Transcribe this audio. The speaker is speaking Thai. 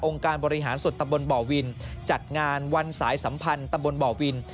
การบริหารสดตำบลบ่อวินจัดงานวันสายสัมพันธ์ตำบลบ่อวิน